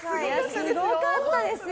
すごかったですよ。